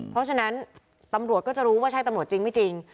เพราะฉะนั้นตำรวจก็จะรู้ว่าใช่ตำรวจจริงไม่จริง